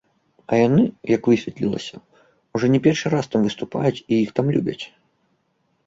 А яны, як высветлілася, ўжо не першы раз там выступаюць і іх там любяць.